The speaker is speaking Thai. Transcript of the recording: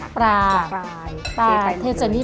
ไข่เละไข่เหน่า